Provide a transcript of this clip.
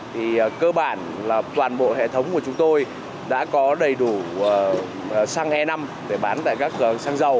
thì cơ bản là toàn bộ hệ thống của chúng tôi đã có đầy đủ xăng e năm để bán tại các xăng dầu